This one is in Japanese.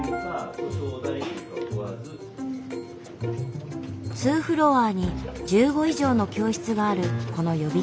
２フロアに１５以上の教室があるこの予備校。